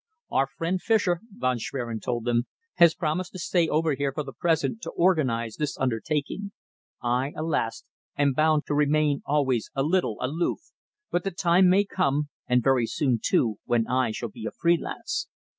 "Our friend Fischer," Von Schwerin told them, "has promised to stay over here for the present to organise this undertaking. I, alas! am bound to remain always a little aloof, but the time may come, and very soon, too, when I shall be a free lance.